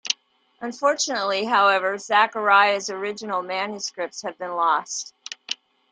Unfortunately, however, Zachariah's original manuscripts have been lost.